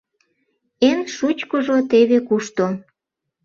— Эн шучкыжо теве кушто.